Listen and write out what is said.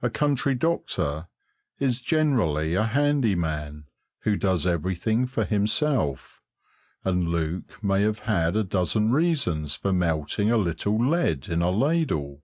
A country doctor is generally a handy man, who does everything for himself, and Luke may have had a dozen reasons for melting a little lead in a ladle.